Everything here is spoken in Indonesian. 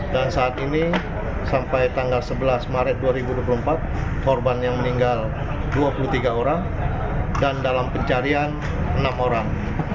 dan saat ini sampai tanggal sebelas maret dua ribu dua puluh empat korban yang meninggal dua puluh tiga orang dan dalam pencarian enam orang